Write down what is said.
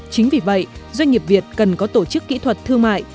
chính vì vậy doanh nghiệp việt cần có tổ chức kỹ thuật thương mại